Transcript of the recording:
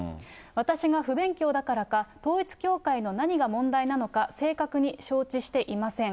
私が不勉強だからか、統一教会の何が問題なのか、正確に承知しておりません。